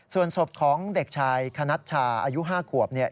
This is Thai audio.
ส่วนศพของเด็กชายขณะชาอายุห้าขวบเนี่ย